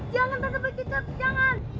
jangan tante begita jangan